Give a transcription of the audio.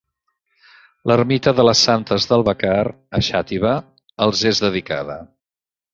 L'ermita de les Santes de l'Albacar, a Xàtiva, els és dedicada.